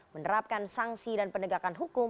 menerapkan sanksi dan penegakan hukum